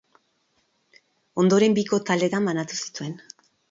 Ondoren, biko taldetan banatu zituen.